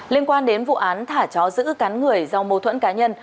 liên quan đến vụ án thả chó giữ cắn người do mâu thuẫn cá nhân